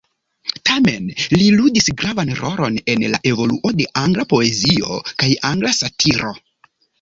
Tamen li ludis gravan rolon en la evoluo de angla poezio kaj angla satiro.